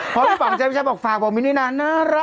พ่อพี่ป๋องเจ้าวิชัยบอกฝากบ่วงวินินาน่ารัก